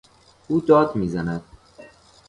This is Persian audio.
او داد میزند.